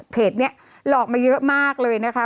เพจนี้หลอกมาเยอะมากเลยนะคะ